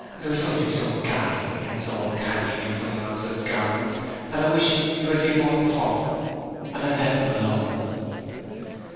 There was something so ghastly and so uncanny in your putting on such garments that I wish you had been more thoughtful, and had left them alone.'